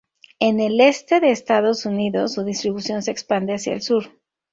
En el este de Estados Unidos, su distribución se expande hacia el sur.